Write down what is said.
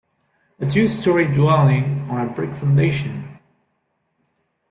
A two story dwelling, on a brick foundation.